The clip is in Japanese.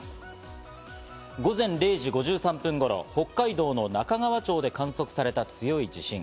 午前０時５３分頃、北海道の中川町で観測された強い地震。